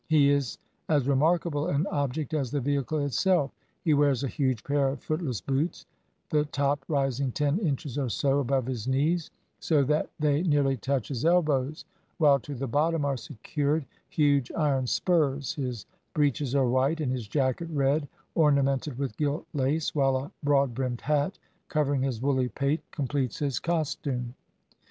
He is as remarkable an object as the vehicle itself. He wears a huge pair of footless boots, the top rising ten inches or so above his knees, so that they nearly touch his elbows, while, to the bottom are secured huge iron spurs, his breeches are white, and his jacket red, ornamented with gilt lace, while a broad brimmed hat covering his woolly pate completes his costume.